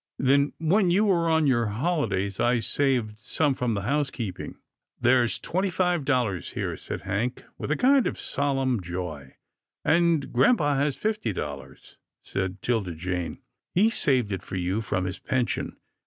Then when you were on your holidays, I saved some from the housekeeping." " There's twenty five dollars here," said Hank with a kind of solemn joy. And grampa has fifty dollars," said 'Tilda Jane. He's saved it for you from his pension.